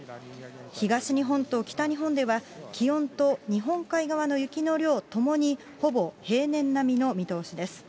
東日本と北日本では、気温と日本海側の雪の量ともに、ほぼ平年並みの見通しです。